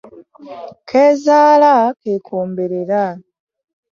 Keezaala k'ekomberera.